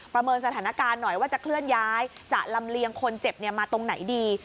เมินสถานการณ์หน่อยว่าจะเคลื่อนย้ายจะลำเลียงคนเจ็บมาตรงไหนดี